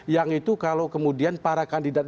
yang itu kalau kemudian para kandidat